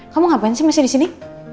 kamu ngapain sih masih di sini